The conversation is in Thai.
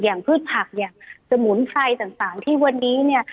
อย่างพืชผักอย่างสมุนไพรต่างที่วันนี้เนี่ย